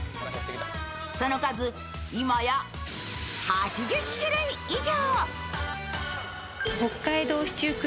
その数、今や８０種類以上。